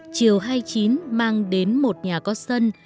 chiều hai mươi chín mang đến một nhà có sân